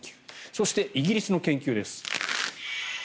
そして、イギリスの研究です。